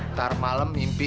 ntar malem mimpi